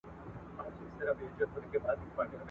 زورور وو پر زمریانو پر پړانګانو !.